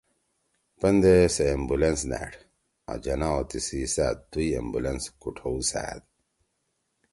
پندے سے ایمبولینس نأڑ آں جناح او تیِسی سأت دُوئی ایمبولینس کوٹھؤسأد